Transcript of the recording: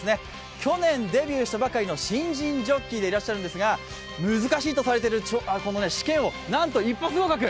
去年デビューしたばかりの新人ジョッキーでいらっしゃるんですが、難しいとされている試験をなんと一発合格。